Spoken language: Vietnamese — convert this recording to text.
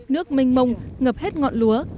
nước minh mông ngập hết ngọn lúa